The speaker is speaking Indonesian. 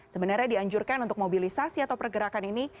sebenarnya dianjurkan untuk mobilisasi atau pergerakan ini